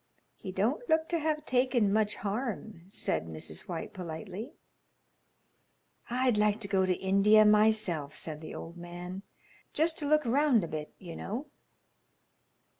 "He don't look to have taken much harm," said Mrs. White, politely. "I'd like to go to India myself," said the old man, "just to look round a bit, you know."